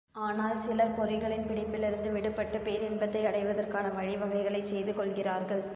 ஆனால் சிலர் பொறிகளின் பிடிப்பிலிருந்து விடுபட்டுப் பேரின்பத்தை அடைவதற்கான வழி வகைகளைச் செய்து கொள்கிறார்கள்.